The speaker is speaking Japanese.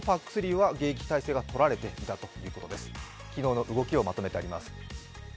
沖縄本島のＰＡＣ３は迎撃態勢がとられていたということです。